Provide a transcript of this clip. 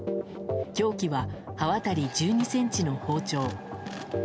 凶器は刃渡り１２ｃｍの包丁。